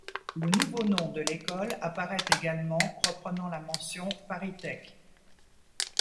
Le nouveau nom de l'école apparait également reprenant la mention ParisTech.